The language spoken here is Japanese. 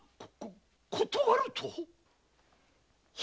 「断る」と⁉姫！